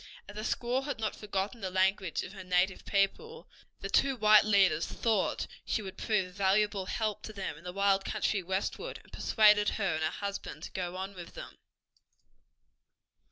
As the squaw had not forgotten the language of her native people the two white leaders thought she would prove a valuable help to them in the wild country westward, and persuaded her and her husband to go on with them.